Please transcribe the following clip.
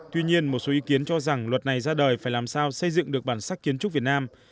tuy nhiên một số ý kiến cho rằng luật này ra đời phải làm sao xây dựng được bản sắc kiến trúc việt nam